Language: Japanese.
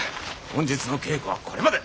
本日の稽古はこれまで。